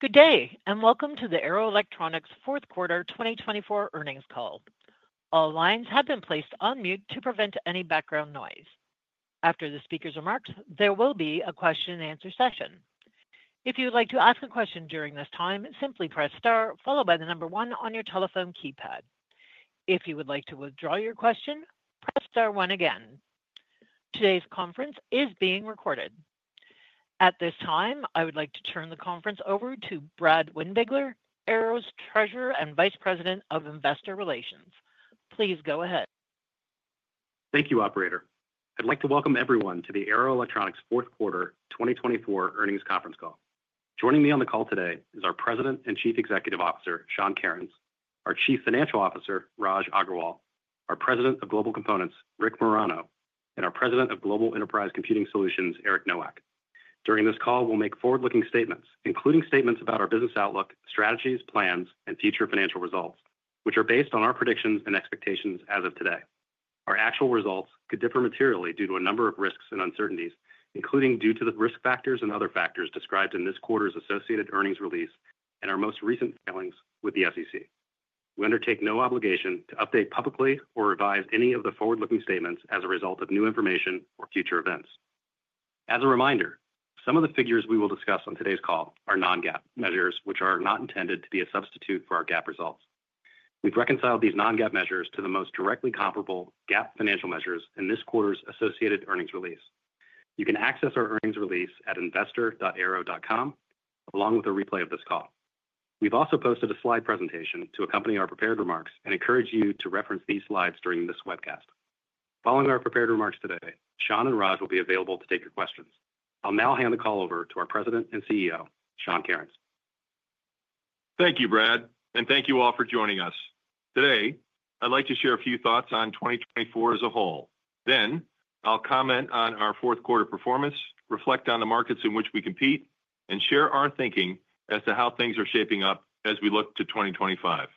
Good day, and welcome to the Arrow Electronics Fourth Quarter 2024 Earnings Call. All lines have been placed on mute to prevent any background noise. After the speakers are marked, there will be a question-and-answer session. If you would like to ask a question during this time, simply press star, followed by the number one on your telephone keypad. If you would like to withdraw your question, press Star one again. Today's conference is being recorded. At this time, I would like to turn the conference over to Brad Windbigler, Arrow's Treasurer and Vice President of Investor Relations. Please go ahead. Thank you, Operator. I'd like to welcome everyone to the Arrow Electronics Fourth Quarter 2024 earnings conference call. Joining me on the call today is our President and Chief Executive Officer, Sean Kerins, our Chief Financial Officer, Raj Agrawal, our President of Global Components, Rick Marano, and our President of Global Enterprise Computing Solutions, Eric Nowak. During this call, we'll make forward-looking statements, including statements about our business outlook, strategies, plans, and future financial results, which are based on our predictions and expectations as of today. Our actual results could differ materially due to a number of risks and uncertainties, including due to the risk factors and other factors described in this quarter's associated earnings release and our most recent filings with the SEC. We undertake no obligation to update publicly or revise any of the forward-looking statements as a result of new information or future events. As a reminder, some of the figures we will discuss on today's call are non-GAAP measures, which are not intended to be a substitute for our GAAP results. We've reconciled these non-GAAP measures to the most directly comparable GAAP financial measures in this quarter's associated earnings release. You can access our earnings release at investor.arrow.com, along with a replay of this call. We've also posted a slide presentation to accompany our prepared remarks and encourage you to reference these slides during this webcast. Following our prepared remarks today, Sean and Raj will be available to take your questions. I'll now hand the call over to our President and CEO, Sean Kerins. Thank you, Brad, and thank you all for joining us. Today, I'd like to share a few thoughts on 2024 as a whole. Then, I'll comment on our fourth quarter performance, reflect on the markets in which we compete, and share our thinking as to how things are shaping up as we look to 2025.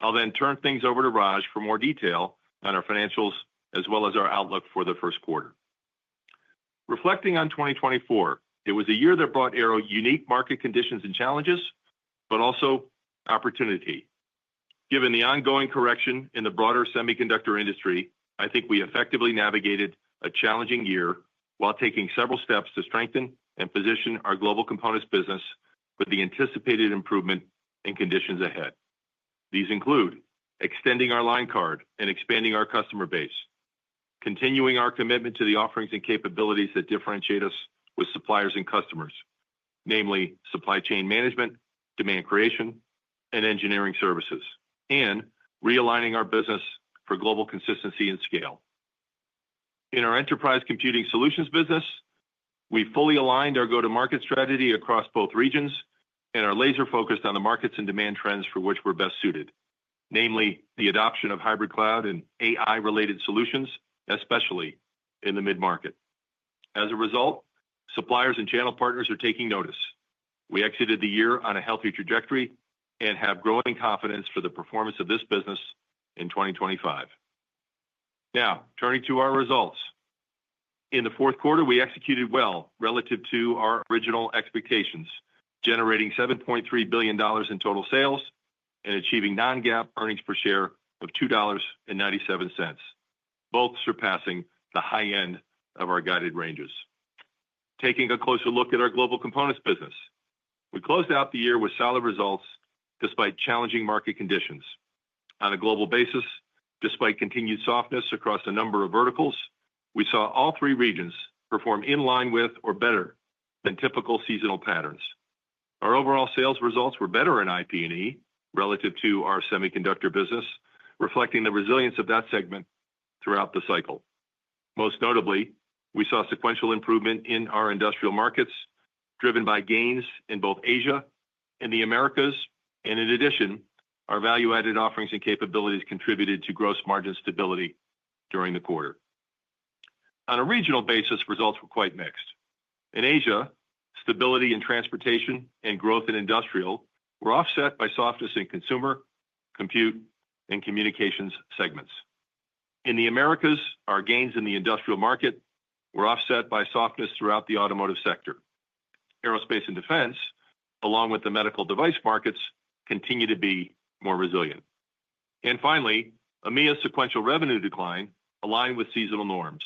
I'll then turn things over to Raj for more detail on our financials as well as our outlook for the first quarter. Reflecting on 2024, it was a year that brought to Arrow unique market conditions and challenges, but also opportunity. Given the ongoing correction in the broader semiconductor industry, I think we effectively navigated a challenging year while taking several steps to strengthen and position our Global Components business with the anticipated improvement in conditions ahead. These include extending our line card and expanding our customer base, continuing our commitment to the offerings and capabilities that differentiate us with suppliers and customers, namely supply chain management, demand creation, and engineering services, and realigning our business for global consistency and scale. In our Enterprise Computing Solutions business, we fully aligned our go-to-market strategy across both regions and are laser-focused on the markets and demand trends for which we're best suited, namely the adoption of hybrid cloud and AI-related solutions, especially in the mid-market. As a result, suppliers and channel partners are taking notice. We exited the year on a healthy trajectory and have growing confidence for the performance of this business in 2025. Now, turning to our results. In the fourth quarter, we executed well relative to our original expectations, generating $7.3 billion in total sales and achieving non-GAAP earnings per share of $2.97, both surpassing the high end of our guided ranges. Taking a closer look at our Global Components business, we closed out the year with solid results despite challenging market conditions. On a global basis, despite continued softness across a number of verticals, we saw all three regions perform in line with or better than typical seasonal patterns. Our overall sales results were better in IP&E relative to our semiconductor business, reflecting the resilience of that segment throughout the cycle. Most notably, we saw sequential improvement in our industrial markets, driven by gains in both Asia and the Americas, and in addition, our value-added offerings and capabilities contributed to gross margin stability during the quarter. On a regional basis, results were quite mixed. In Asia, stability in transportation and growth in industrial were offset by softness in consumer, compute, and communications segments. In the Americas, our gains in the industrial market were offset by softness throughout the automotive sector. Aerospace and defense, along with the medical device markets, continue to be more resilient. And finally, EMEA's sequential revenue decline aligned with seasonal norms,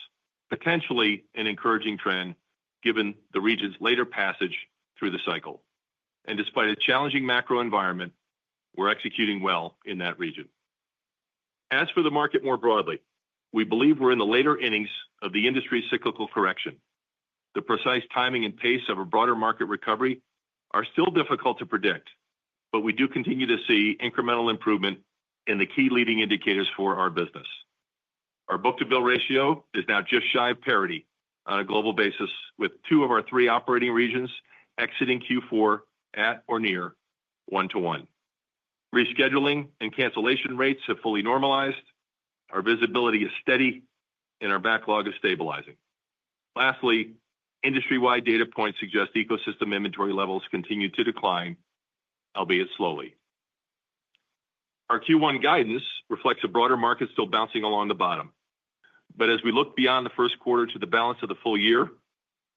potentially an encouraging trend given the region's later passage through the cycle. And despite a challenging macro environment, we're executing well in that region. As for the market more broadly, we believe we're in the later innings of the industry's cyclical correction. The precise timing and pace of a broader market recovery are still difficult to predict, but we do continue to see incremental improvement in the key leading indicators for our business. Our book-to-bill ratio is now just shy of parity on a global basis, with two of our three operating regions exiting Q4 at or near one-to-one. Rescheduling and cancellation rates have fully normalized. Our visibility is steady, and our backlog is stabilizing. Lastly, industry-wide data points suggest ecosystem inventory levels continue to decline, albeit slowly. Our Q1 guidance reflects a broader market still bouncing along the bottom. But as we look beyond the first quarter to the balance of the full year,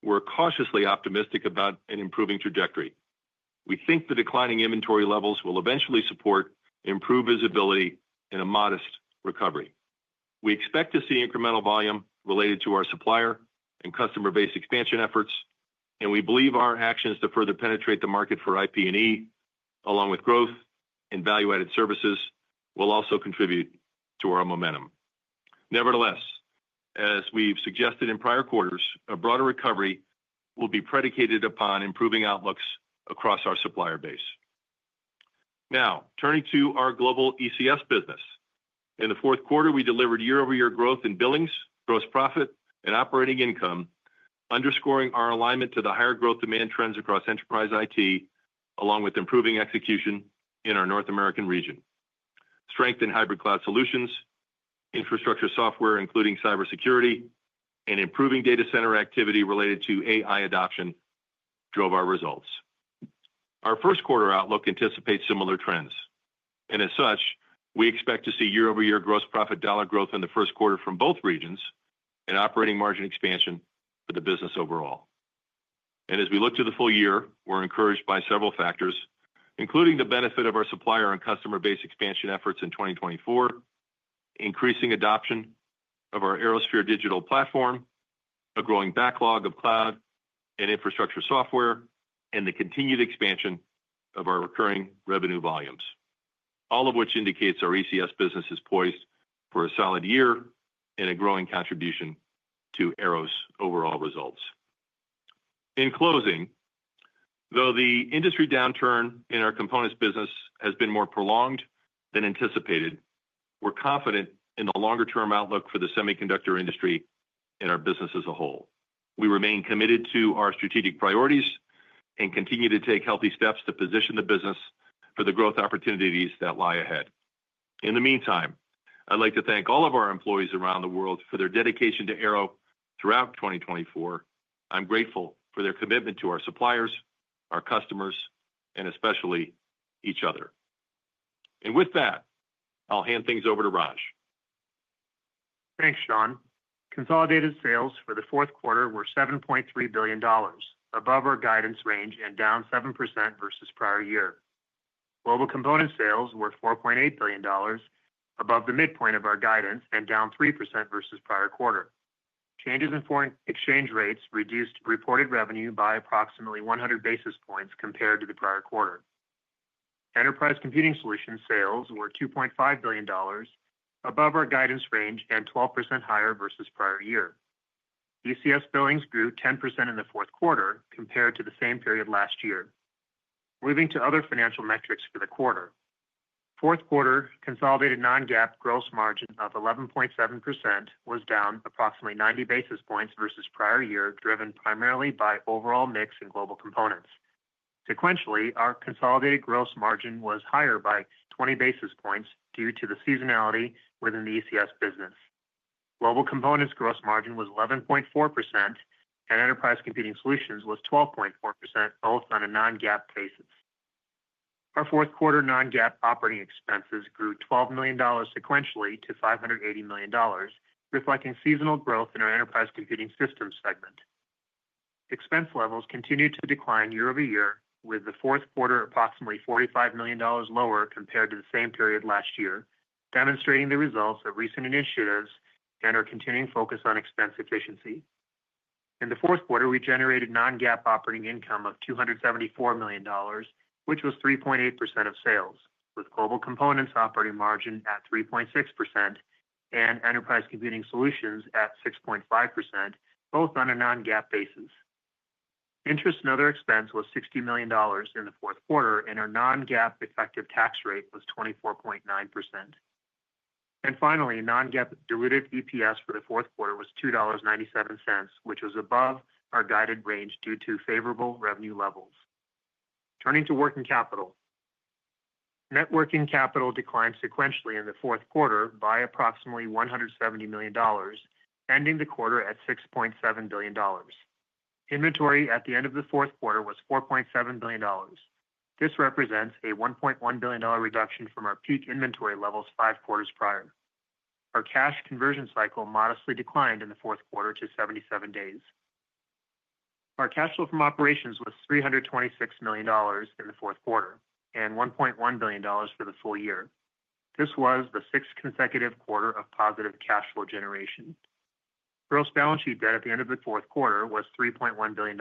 we're cautiously optimistic about an improving trajectory. We think the declining inventory levels will eventually support improved visibility and a modest recovery. We expect to see incremental volume related to our supplier and customer-based expansion efforts, and we believe our actions to further penetrate the market for IP&E, along with growth and value-added services, will also contribute to our momentum. Nevertheless, as we've suggested in prior quarters, a broader recovery will be predicated upon improving outlooks across our supplier base. Now, turning to our global ECS business. In the fourth quarter, we delivered year-over-year growth in billings, gross profit, and operating income, underscoring our alignment to the higher growth demand trends across enterprise IT, along with improving execution in our North American region. Strength in hybrid cloud solutions, infrastructure software, including cybersecurity, and improving data center activity related to AI adoption drove our results. Our first quarter outlook anticipates similar trends, and as such, we expect to see year-over-year gross profit dollar growth in the first quarter from both regions and operating margin expansion for the business overall. And as we look to the full year, we're encouraged by several factors, including the benefit of our supplier and customer-based expansion efforts in 2024, increasing adoption of our ArrowSphere digital platform, a growing backlog of cloud and infrastructure software, and the continued expansion of our recurring revenue volumes, all of which indicates our ECS business is poised for a solid year and a growing contribution to Arrow's overall results. In closing, though the industry downturn in our components business has been more prolonged than anticipated, we're confident in the longer-term outlook for the semiconductor industry and our business as a whole. We remain committed to our strategic priorities and continue to take healthy steps to position the business for the growth opportunities that lie ahead. In the meantime, I'd like to thank all of our employees around the world for their dedication to Arrow throughout 2024. I'm grateful for their commitment to our suppliers, our customers, and especially each other, and with that, I'll hand things over to Raj. Thanks, Sean. Consolidated sales for the fourth quarter were $7.3 billion, above our guidance range and down 7% versus prior year. Global Components sales were $4.8 billion, above the midpoint of our guidance and down 3% versus prior quarter. Changes in foreign exchange rates reduced reported revenue by approximately 100 basis points compared to the prior quarter. Enterprise Computing Solutions sales were $2.5 billion, above our guidance range and 12% higher versus prior year. ECS billings grew 10% in the fourth quarter compared to the same period last year. Moving to other financial metrics for the quarter, fourth quarter consolidated non-GAAP gross margin of 11.7% was down approximately 90 basis points versus prior year, driven primarily by overall mix in Global Components. Sequentially, our consolidated gross margin was higher by 20 basis points due to the seasonality within the ECS business. Global Components gross margin was 11.4%, and Enterprise Computing Solutions was 12.4%, both on a non-GAAP basis. Our fourth quarter non-GAAP operating expenses grew $12 million sequentially to $580 million, reflecting seasonal growth in our enterprise computing systems segment. Expense levels continued to decline year-over-year, with the fourth quarter approximately $45 million lower compared to the same period last year, demonstrating the results of recent initiatives and our continuing focus on expense efficiency. In the fourth quarter, we generated non-GAAP operating income of $274 million, which was 3.8% of sales, with Global Components operating margin at 3.6% and Enterprise Computing Solutions at 6.5%, both on a non-GAAP basis. Interest and other expense was $60 million in the fourth quarter, and our non-GAAP effective tax rate was 24.9%. And finally, non-GAAP diluted EPS for the fourth quarter was $2.97, which was above our guided range due to favorable revenue levels. Turning to working capital, net working capital declined sequentially in the fourth quarter by approximately $170 million, ending the quarter at $6.7 billion. Inventory at the end of the fourth quarter was $4.7 billion. This represents a $1.1 billion reduction from our peak inventory levels five quarters prior. Our cash conversion cycle modestly declined in the fourth quarter to 77 days. Our cash flow from operations was $326 million in the fourth quarter and $1.1 billion for the full year. This was the sixth consecutive quarter of positive cash flow generation. Gross balance sheet debt at the end of the fourth quarter was $3.1 billion.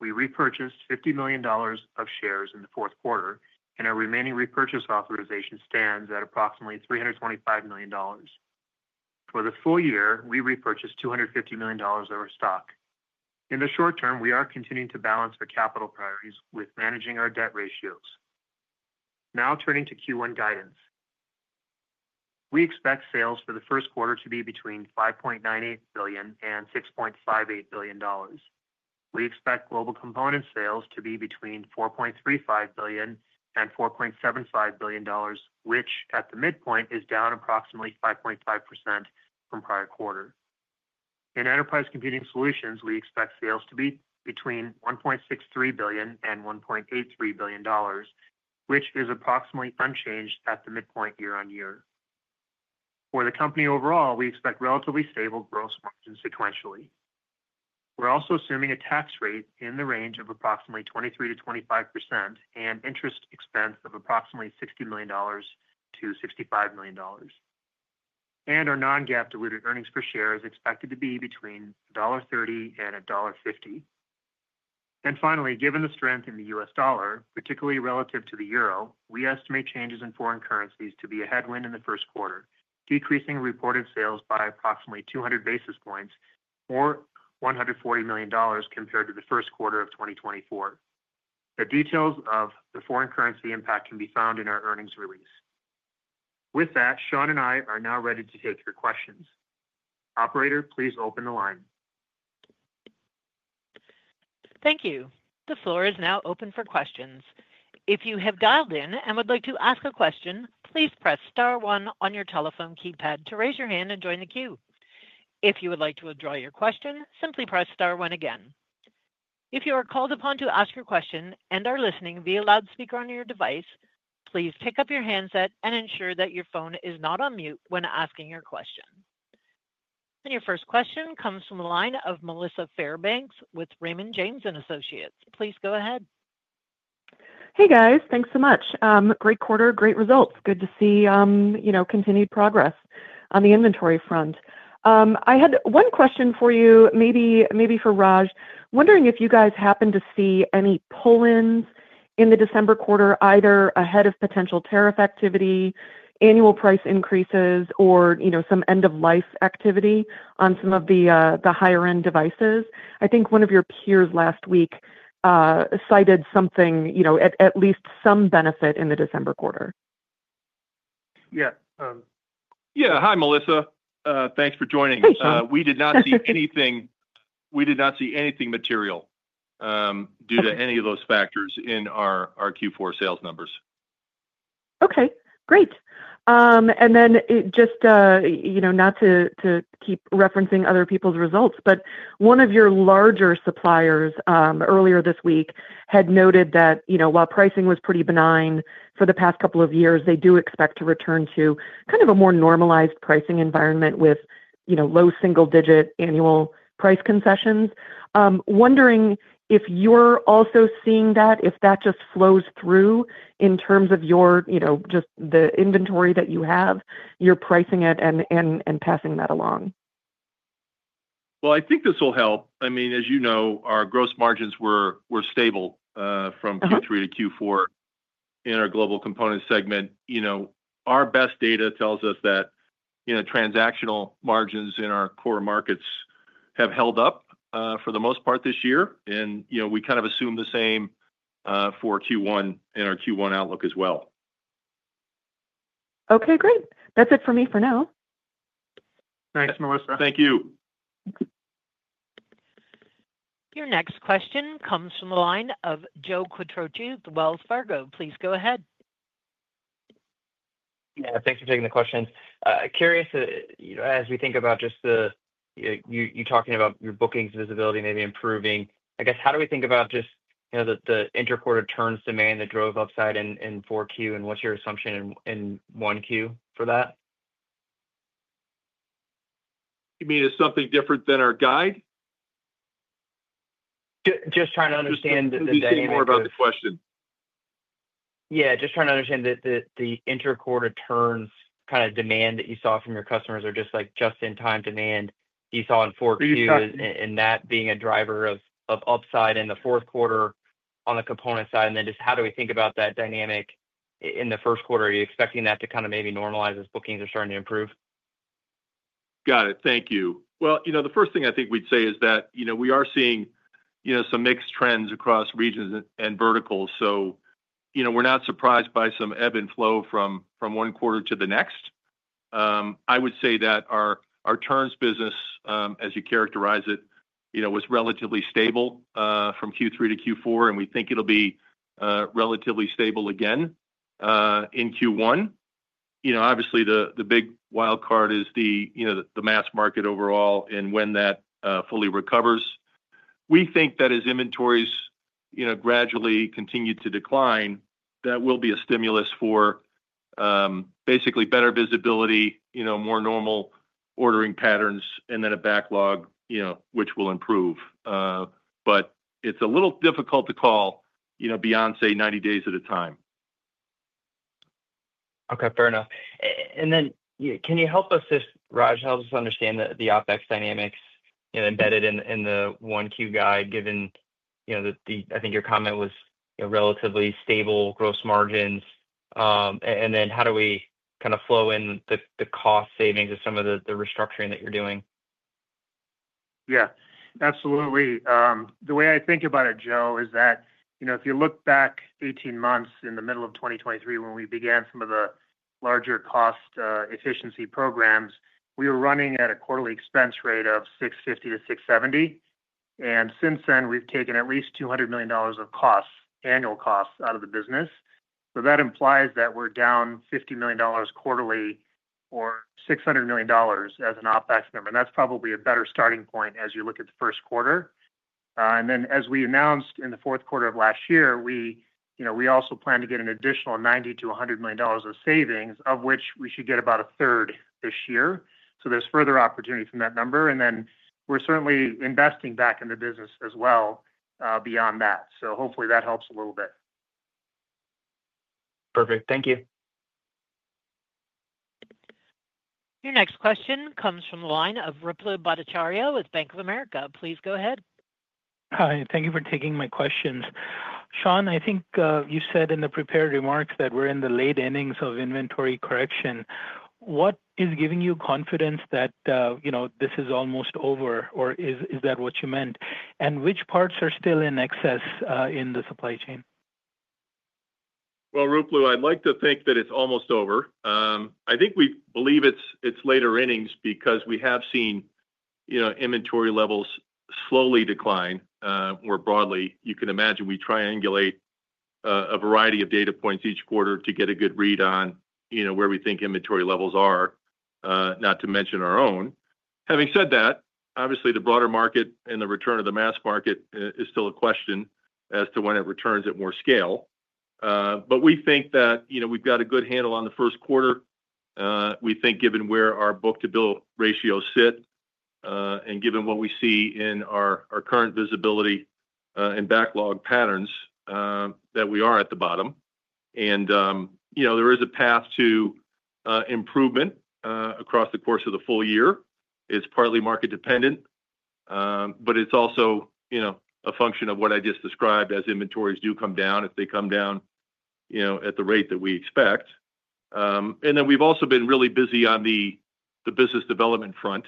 We repurchased $50 million of shares in the fourth quarter, and our remaining repurchase authorization stands at approximately $325 million. For the full year, we repurchased $250 million of our stock. In the short term, we are continuing to balance our capital priorities with managing our debt ratios. Now turning to Q1 guidance, we expect sales for the first quarter to be between $5.98 billion and $6.58 billion. We expect Global Components sales to be between $4.35 billion and $4.75 billion, which at the midpoint is down approximately 5.5% from prior quarter. In Enterprise Computing Solutions, we expect sales to be between $1.63 billion and $1.83 billion, which is approximately unchanged at the midpoint year-on-year. For the company overall, we expect relatively stable gross margins sequentially. We're also assuming a tax rate in the range of approximately 23% to 25% and interest expense of approximately $60 million to $65 million. And our non-GAAP diluted earnings per share is expected to be between $1.30 and $1.50. Finally, given the strength in the U.S. dollar, particularly relative to the euro, we estimate changes in foreign currencies to be a headwind in the first quarter, decreasing reported sales by approximately 200 basis points or $140 million compared to the first quarter of 2024. The details of the foreign currency impact can be found in our earnings release. With that, Sean and I are now ready to take your questions. Operator, please open the line. Thank you. The floor is now open for questions. If you have dialed in and would like to ask a question, please press star one on your telephone keypad to raise your hand and join the queue. If you would like to withdraw your question, simply press star one again. If you are called upon to ask your question and are listening via loudspeaker on your device, please pick up your handset and ensure that your phone is not on mute when asking your question. And your first question comes from the line of Melissa Fairbanks with Raymond James & Associates. Please go ahead. Hey, guys. Thanks so much. Great quarter, great results. Good to see continued progress on the inventory front. I had one question for you, maybe for Raj. Wondering if you guys happen to see any pull-ins in the December quarter, either ahead of potential tariff activity, annual price increases, or some end-of-life activity on some of the higher-end devices. I think one of your peers last week cited something, at least some benefit in the December quarter. Yeah. Yeah. Hi, Melissa. Thanks for joining. We did not see anything material due to any of those factors in our Q4 sales numbers. Okay. Great. And then just not to keep referencing other people's results, but one of your larger suppliers earlier this week had noted that while pricing was pretty benign for the past couple of years, they do expect to return to kind of a more normalized pricing environment with low single-digit annual price concessions. Wondering if you're also seeing that, if that just flows through in terms of just the inventory that you have, you're pricing it and passing that along? I think this will help. I mean, as you know, our gross margins were stable from Q3 to Q4 in our Global Components segment. Our best data tells us that transactional margins in our core markets have held up for the most part this year. We kind of assume the same for Q1 and our Q1 outlook as well. Okay. Great. That's it for me for now. Thanks, Melissa. Thank you. Your next question comes from the line of Joe Quatrochi with Wells Fargo. Please go ahead. Yeah. Thanks for taking the question. Curious, as we think about just you talking about your bookings visibility maybe improving, I guess, how do we think about just the interquarter turns demand that drove upside in four Q, and what's your assumption in one Q for that? You mean it's something different than our guide? Just trying to understand the demand. Please speak more about the question. Yeah. Just trying to understand the interquarter turns kind of demand that you saw from your customers or just-in-time demand you saw in four Q and that being a driver of upside in the fourth quarter on the component side. And then just how do we think about that dynamic in the first quarter? Are you expecting that to kind of maybe normalize as bookings are starting to improve? Got it. Thank you. Well, the first thing I think we'd say is that we are seeing some mixed trends across regions and verticals. So we're not surprised by some ebb and flow from one quarter to the next. I would say that our turns business, as you characterize it, was relatively stable from Q3 to Q4, and we think it'll be relatively stable again in Q1. Obviously, the big wildcard is the mass market overall and when that fully recovers. We think that as inventories gradually continue to decline, that will be a stimulus for basically better visibility, more normal ordering patterns, and then a backlog which will improve. But it's a little difficult to see beyond 90 days at a time. Okay. Fair enough. And then can you help us, Raj, help us understand the OpEx dynamics embedded in the one Q guide, given that I think your comment was relatively stable gross margins? And then how do we kind of flow in the cost savings of some of the restructuring that you're doing? Yeah. Absolutely. The way I think about it, Joe, is that if you look back 18 months in the middle of 2023 when we began some of the larger cost efficiency programs, we were running at a quarterly expense rate of $650 million-$670 million. And since then, we've taken at least $200 million of annual costs out of the business. So that implies that we're down $50 million quarterly or $600 million as an OpEx number. And that's probably a better starting point as you look at the first quarter. And then as we announced in the fourth quarter of last year, we also plan to get an additional $90-$100 million of savings, of which we should get about a third this year. So there's further opportunity from that number. And then we're certainly investing back in the business as well beyond that. So hopefully that helps a little bit. Perfect. Thank you. Your next question comes from the line of Ruplu Bhattacharya with Bank of America. Please go ahead. Hi. Thank you for taking my questions. Sean, I think you said in the prepared remarks that we're in the late innings of inventory correction. What is giving you confidence that this is almost over, or is that what you meant? And which parts are still in excess in the supply chain? Ruplu, I'd like to think that it's almost over. I think we believe it's later innings because we have seen inventory levels slowly decline. More broadly, you can imagine we triangulate a variety of data points each quarter to get a good read on where we think inventory levels are, not to mention our own. Having said that, obviously, the broader market and the return of the mass market is still a question as to when it returns at more scale. But we think that we've got a good handle on the first quarter. We think given where our book-to-bill ratio sit and given what we see in our current visibility and backlog patterns that we are at the bottom. And there is a path to improvement across the course of the full year. It's partly market-dependent, but it's also a function of what I just described as inventories do come down if they come down at the rate that we expect, and then we've also been really busy on the business development front.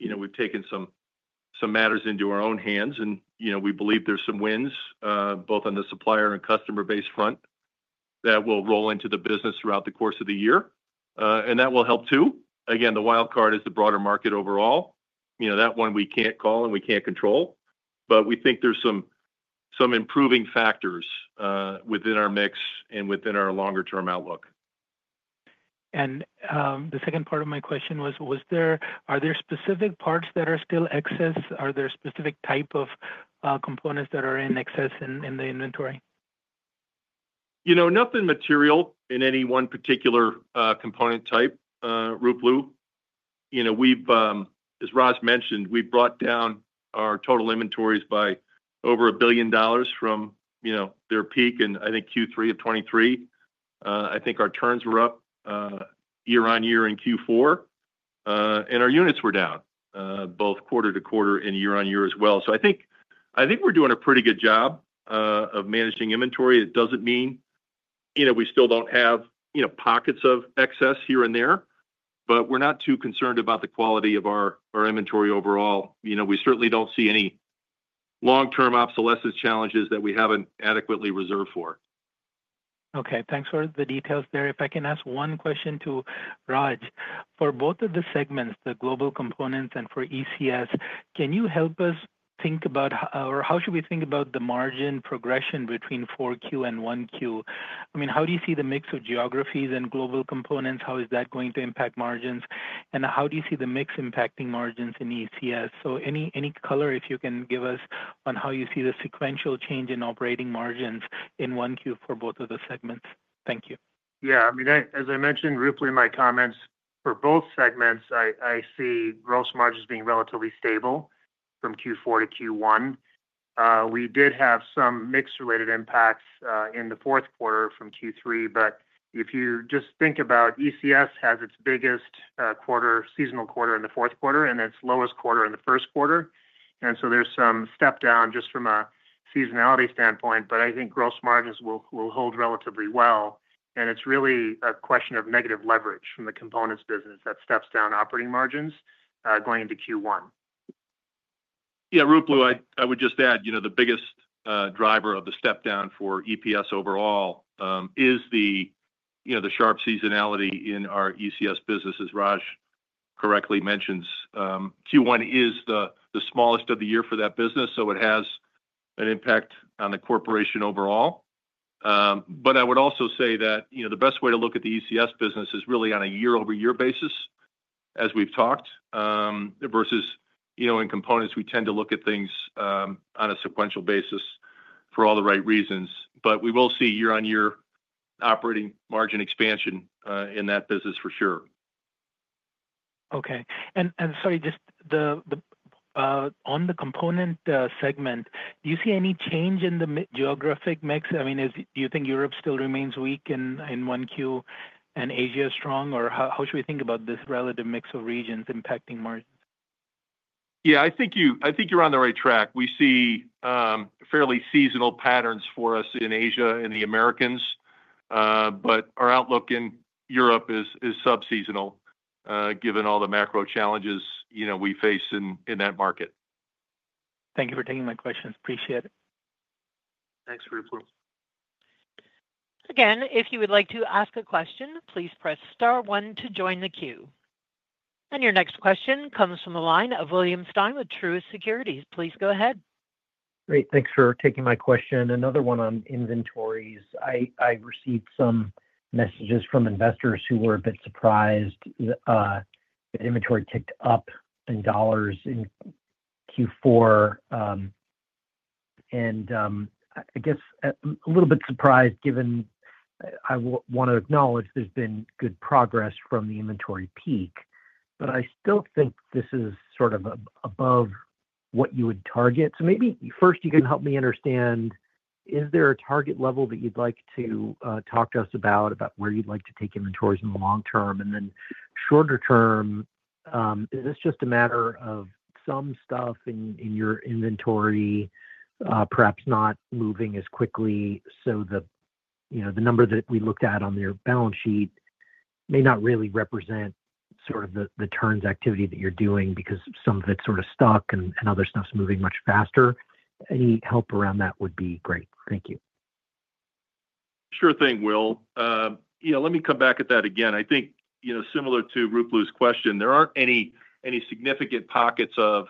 We've taken some matters into our own hands, and we believe there's some wins both on the supplier and customer base front that will roll into the business throughout the course of the year, and that will help too. Again, the wildcard is the broader market overall. That one we can't call and we can't control, but we think there's some improving factors within our mix and within our longer-term outlook. The second part of my question was, are there specific parts that are still excess? Are there specific types of components that are in excess in the inventory? Nothing material in any one particular component type, Ruplu. As Raj mentioned, we brought down our total inventories by over $1 billion from their peak in, I think, Q3 of 2023. I think our turns were up year-on-year in Q4, and our units were down both quarter to quarter and year-on-year as well. So I think we're doing a pretty good job of managing inventory. It doesn't mean we still don't have pockets of excess here and there, but we're not too concerned about the quality of our inventory overall. We certainly don't see any long-term obsolescence challenges that we haven't adequately reserved for. Okay. Thanks for the details there. If I can ask one question to Raj. For both of the segments, the Global Components and for ECS, can you help us think about, or how should we think about the margin progression between four Q and one Q? I mean, how do you see the mix of geographies and Global Components? How is that going to impact margins? And how do you see the mix impacting margins in ECS? So any color, if you can give us on how you see the sequential change in operating margins in one Q for both of the segments. Thank you. Yeah. I mean, as I mentioned, Ruplu, my comments for both segments, I see gross margins being relatively stable from Q4 to Q1. We did have some mix-related impacts in the fourth quarter from Q3, but if you just think about ECS has its biggest quarter, seasonal quarter in the fourth quarter, and its lowest quarter in the first quarter, and so there's some step down just from a seasonality standpoint, but I think gross margins will hold relatively well, and it's really a question of negative leverage from the components business that steps down operating margins going into Q1. Yeah. Ruplu, I would just add the biggest driver of the step down for EPS overall is the sharp seasonality in our ECS business, as Raj correctly mentions. Q1 is the smallest of the year for that business, so it has an impact on the corporation overall. But I would also say that the best way to look at the ECS business is really on a year-over-year basis, as we've talked, versus in components, we tend to look at things on a sequential basis for all the right reasons. But we will see year-on-year operating margin expansion in that business for sure. Okay and sorry, just on the component segment, do you see any change in the geographic mix? I mean, do you think Europe still remains weak in one Q and Asia is strong? Or how should we think about this relative mix of regions impacting margins? Yeah. I think you're on the right track. We see fairly seasonal patterns for us in Asia and the Americas, but our outlook in Europe is subseasonal given all the macro challenges we face in that market. Thank you for taking my questions. Appreciate it. Thanks, Ripley. Again, if you would like to ask a question, please press star one to join the queue. And your next question comes from the line of William Stein with Truist Securities. Please go ahead. Great. Thanks for taking my question. Another one on inventories. I received some messages from investors who were a bit surprised that inventory ticked up in dollars in Q4. And I guess a little bit surprised given I want to acknowledge there's been good progress from the inventory peak, but I still think this is sort of above what you would target. So maybe first, you can help me understand, is there a target level that you'd like to talk to us about, about where you'd like to take inventories in the long term? And then shorter term, is this just a matter of some stuff in your inventory perhaps not moving as quickly? So the number that we looked at on your balance sheet may not really represent sort of the turns activity that you're doing because some of it's sort of stuck and other stuff's moving much faster. Any help around that would be great. Thank you. Sure thing, Will. Yeah. Let me come back at that again. I think similar to Ruplu's question, there aren't any significant pockets of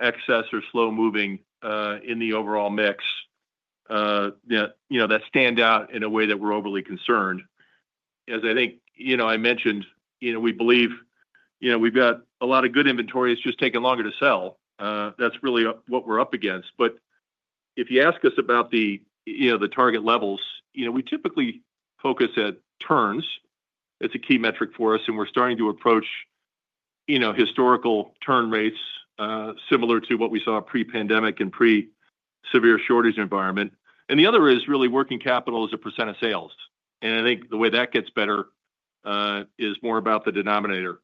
excess or slow-moving in the overall mix that stand out in a way that we're overly concerned. As I think I mentioned, we believe we've got a lot of good inventory. It's just taken longer to sell. That's really what we're up against, but if you ask us about the target levels, we typically focus at turns. It's a key metric for us, and we're starting to approach historical turn rates similar to what we saw pre-pandemic and pre-severe shortage environment, and the other is really working capital as a % of sales. And I think the way that gets better is more about the denominator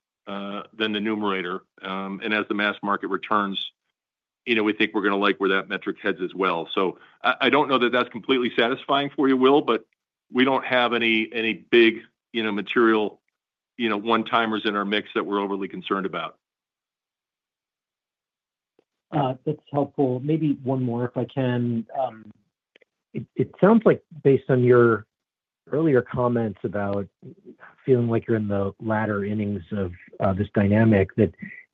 than the numerator, and as the mass market returns, we think we're going to like where that metric heads as well. So I don't know that that's completely satisfying for you, Will, but we don't have any big material one-timers in our mix that we're overly concerned about. That's helpful. Maybe one more if I can. It sounds like based on your earlier comments about feeling like you're in the latter innings of this dynamic, that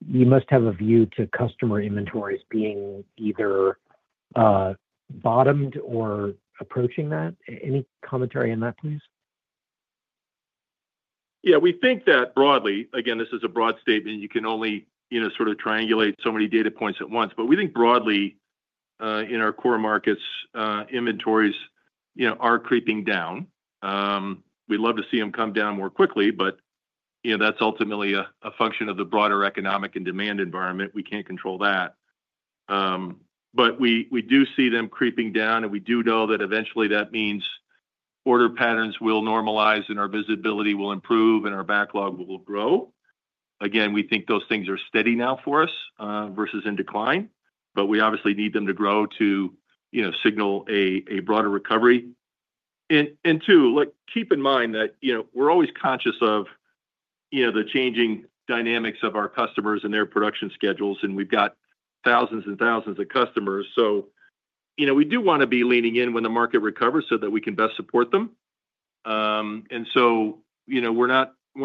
you must have a view to customer inventories being either bottomed or approaching that. Any commentary on that, please? Yeah. We think that broadly, again, this is a broad statement. You can only sort of triangulate so many data points at once, but we think broadly in our core markets, inventories are creeping down. We'd love to see them come down more quickly, but that's ultimately a function of the broader economic and demand environment. We can't control that, but we do see them creeping down, and we do know that eventually that means order patterns will normalize and our visibility will improve and our backlog will grow. Again, we think those things are steady now for us versus in decline, but we obviously need them to grow to signal a broader recovery, and two, keep in mind that we're always conscious of the changing dynamics of our customers and their production schedules, and we've got thousands and thousands of customers. We do want to be leaning in when the market recovers so that we can best support them. We're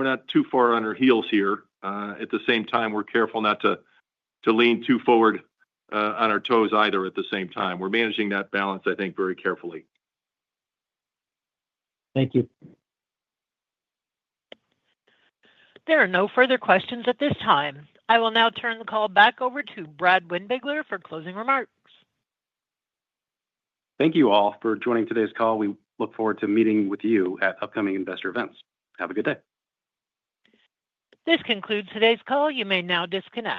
not too far on our heels here. At the same time, we're careful not to lean too forward on our toes either at the same time. We're managing that balance, I think, very carefully. Thank you. There are no further questions at this time. I will now turn the call back over to Brad Windbigler for closing remarks. Thank you all for joining today's call. We look forward to meeting with you at upcoming investor events. Have a good day. This concludes today's call. You may now disconnect.